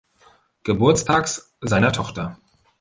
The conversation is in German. Geburtstags seiner Tochter.